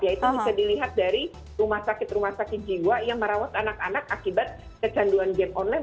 yaitu bisa dilihat dari rumah sakit rumah sakit jiwa yang merawat anak anak akibat kecanduan game online